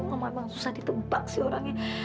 memang susah ditebak sih orangnya